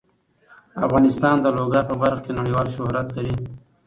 افغانستان د لوگر په برخه کې نړیوال شهرت لري.